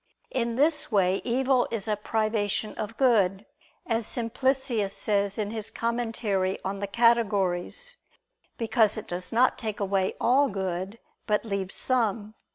In this way evil is a privation of good, as Simplicius says in his commentary on the Categories: because it does not take away all good, but leaves some.